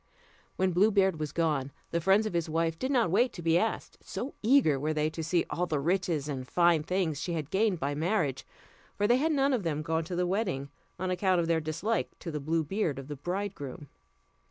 When Blue Beard was gone, the friends of his wife did not wait to be asked, so eager were they to see all the riches and fine things she had gained by marriage; for they had none of them gone to the wedding, on account of their dislike to the blue beard of the bridegroom.